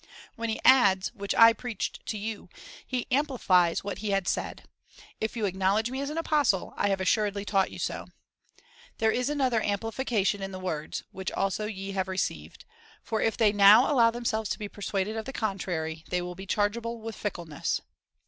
When he adds, which I preached to you, he amplifies what he had said :'' If you acknowledge me as an apostle, I have assuredly taught you so/' There is another amplification in the words — which also ye have received, for if they now allow themselves to be persuaded of the contrary, they will be chargeable with fickleness.